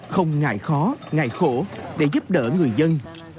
không ngại khó ngại khổ để giúp đỡ người dân